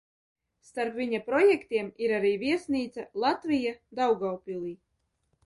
Starp viņa projektiem ir arī viesnīca Latvija Daugavpilī.